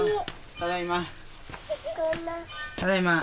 ただいま。